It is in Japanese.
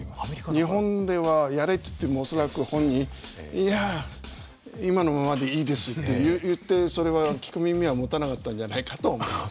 日本ではやれって言っても恐らく本人「いや今のままでいいです」って言ってそれは聞く耳は持たなかったんじゃないかと思います。